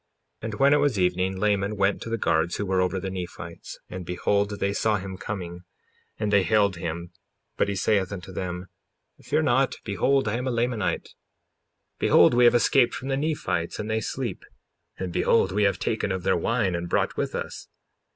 55:8 And when it was evening Laman went to the guards who were over the Nephites, and behold, they saw him coming and they hailed him; but he saith unto them: Fear not; behold, I am a Lamanite. Behold, we have escaped from the Nephites, and they sleep; and behold we have taken of their wine and brought with us.